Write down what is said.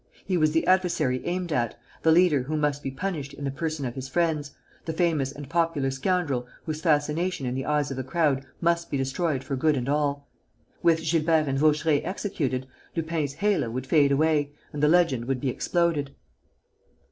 He was the adversary aimed at, the leader who must be punished in the person of his friends, the famous and popular scoundrel whose fascination in the eyes of the crowd must be destroyed for good and all. With Gilbert and Vaucheray executed, Lupin's halo would fade away and the legend would be exploded.